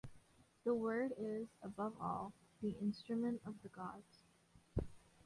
The word is above all the instrument of the gods.